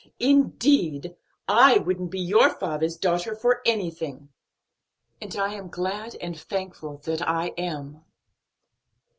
"Indeed! I wouldn't be your father's daughter for anything." "And I am glad and thankful that I am."